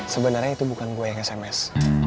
sebenernya itu bukan gue yang sms